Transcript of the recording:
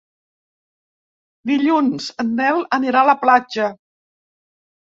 Dilluns en Nel anirà a la platja.